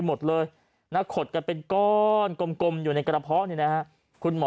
หมดเลยนะขดกันเป็นก้อนกลมอยู่ในกระเพาะเนี่ยนะฮะคุณหมอ